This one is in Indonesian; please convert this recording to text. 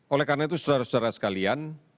oleh karena itu saudara saudara sekalian